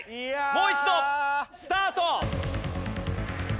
もう一度スタート！